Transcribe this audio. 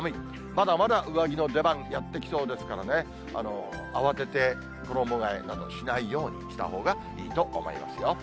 まだまだ上着の出番、やってきそうですからね、慌てて衣がえなどしないようにしたほうがいいと思いますよ。